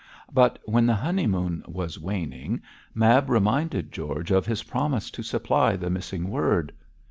But when the honeymoon was waning, Mab reminded George of his promise to supply the missing word.